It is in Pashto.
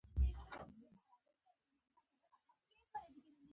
ډېري فرهنګي سازشونه یې له همدې وطاقه وو.